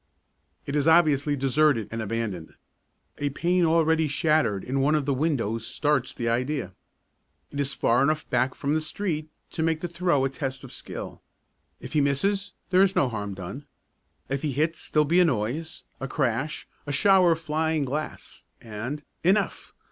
It is obviously deserted and abandoned. A pane already shattered in one of the windows starts the idea. It is far enough back from the street to make the throw a test of skill. If he misses there's no harm done. If he hits there'll be a noise, a crash, a shower of flying glass and Enough!